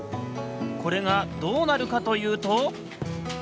これがどうなるかというと。